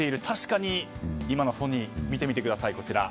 確かに今のソニー見てみてください。